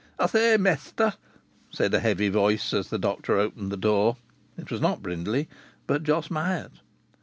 "I say, mester," said a heavy voice as the doctor opened the door. It was not Brindley, but Jos Myatt.